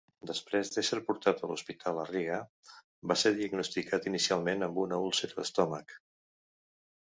Després d'ésser portat a l'hospital a Riga, va ser diagnosticat inicialment amb una úlcera d'estómac.